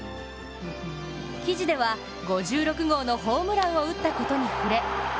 記事では５６号のホームランを打ったことに触れ